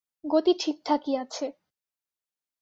গতি ঠিকঠাকই আছে।